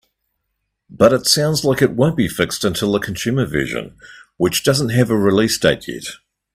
But it sounds like it won't be fixed until the consumer version, which doesn't have a release date yet.